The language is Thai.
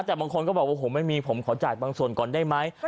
แต่บางคนก็บอกว่าผมไม่มีผมขอจ่ายบางส่วนก่อนได้ไหม